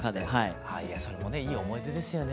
それもいい思い出ですよね。